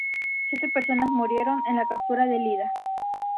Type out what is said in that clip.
Siete personas murieron en la captura de Lida.